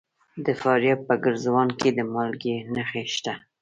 د فاریاب په ګرزوان کې د مالګې نښې شته.